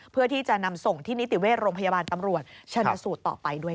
เพื่อที่จะนำส่งที่นิติเวชโรงพยาบาลตำรวจชนะสูตรต่อไปด้วย